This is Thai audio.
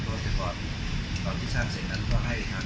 ก็คงจะต้องให้กำลังไม่เรื่อยของ